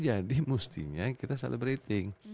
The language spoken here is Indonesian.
jadi mestinya kita celebrating